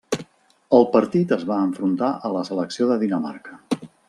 Al partit es va enfrontar a la selecció de Dinamarca.